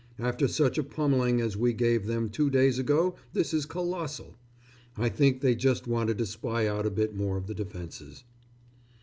After such a pommelling as we gave them two days ago this is colossal. I think they just wanted to spy out a bit more of the defences.